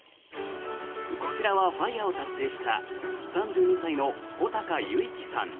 こちらはＦＩＲＥを達成した３２歳の穂高唯希さん。